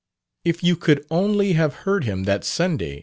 "If you could only have heard him that Sunday!"